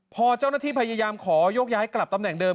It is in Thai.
พอเจ้าหน้าที่พยายามขอยกย้ายกลับตำแหน่งเดิม